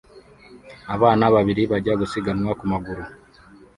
Abana babiri bajya gusiganwa ku maguru